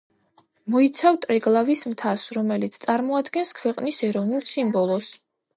მოიცავ ტრიგლავის მთას, რომელიც წარმოადგენს ქვეყნის ეროვნულ სიმბოლოს.